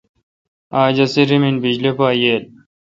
اج اسی ریمن بجلی پا ییل۔